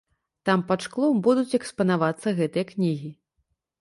Там пад шклом будуць экспанавацца гэтыя кнігі.